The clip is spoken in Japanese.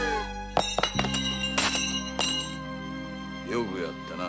よくやったな。